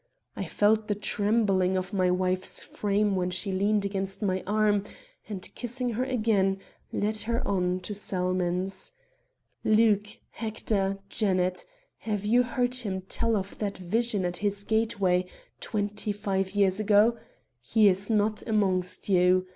I felt the trembling of my wife's frame where she leaned against my arm, and kissing her again, led her on to Salmon's. Luke, Hector, Janet, have you heard him tell of that vision at his gateway, twenty five years ago? He is not amongst you.